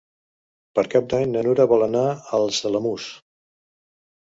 Per Cap d'Any na Nura vol anar als Alamús.